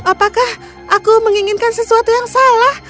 apakah aku menginginkan sesuatu yang salah